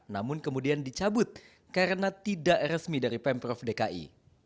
namun kemudian dicabut karena tidak resmi dari pemprov dki